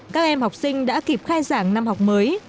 các em học sinh đã kịp khai giảng năm học mới